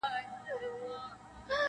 څه به وايي دا مخلوق او عالمونه؟-